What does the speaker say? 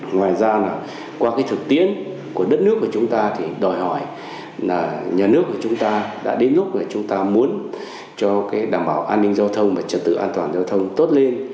ngoài ra là qua cái thực tiễn của đất nước của chúng ta thì đòi hỏi là nhà nước của chúng ta đã đến lúc là chúng ta muốn cho đảm bảo an ninh giao thông và trật tự an toàn giao thông tốt lên